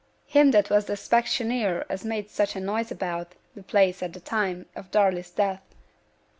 Him that was th' specksioneer as made such a noise about t' place at the time of Darley's death.